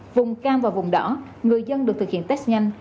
vùng cam và vùng đỏ người dân được thực hiện test nhanh